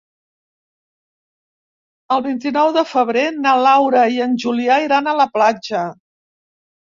El vint-i-nou de febrer na Laura i en Julià iran a la platja.